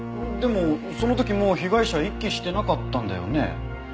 でもその時もう被害者息してなかったんだよね？